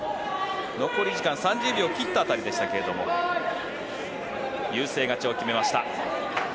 残り時間３０秒を切った辺りでしたが優勢勝ちを決めました。